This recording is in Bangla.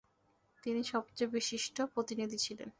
তিনি সবচেয়ে বিশিষ্ট প্রতিনিধি ছিলেন।